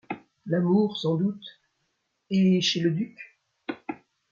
L’amour sans doute. — Et chez le duc ?